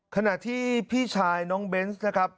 ขณะที่พี่ชายน้องเบนส์นะครับ